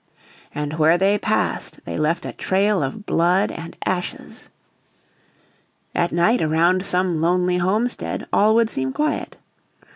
And where they passed they left a trail of blood and ashes. At night around some lonely homestead all would seem quiet.